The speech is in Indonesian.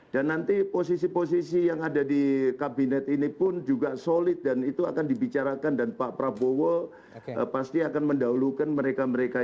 dan nanti posisi posisi yang ada di kabinet ini pun juga solid dan itu akan dibicarakan dan pak prabowo pasti akan mendahulukan mereka mereka itu